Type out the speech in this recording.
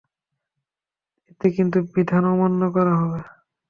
এতে কিন্তু বিধান অমান্য করা হবে।